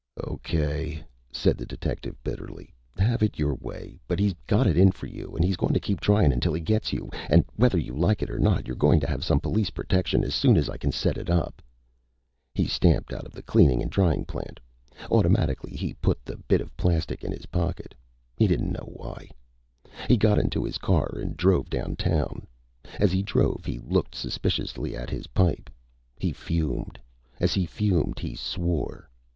"O.K.!" said the detective bitterly. "Have it your way! But he's got it in for you an' he's goin' to keep tryin' until he gets you! An' whether you like it or not, you're goin' to have some police protection as soon as I can set it up." He stamped out of the cleaning and drying plant. Automatically, he put the bit of plastic in his pocket. He didn't know why. He got into his car and drove downtown. As he drove, he looked suspiciously at his pipe. He fumed. As he fumed, he swore.